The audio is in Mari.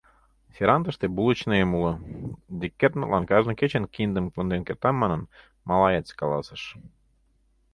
Серантыште булочныем уло, Деккертмытлан кажне кечын киндым конден кертам манын, малаец каласыш.